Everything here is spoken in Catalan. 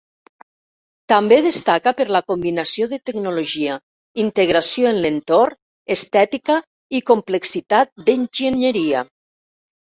També destaca per la combinació de tecnologia, integració en l'entorn, estètica i complexitat d'enginyeria.